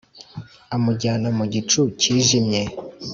amujyana mu gicu kijimye,